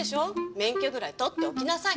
免許ぐらい取っておきなさい。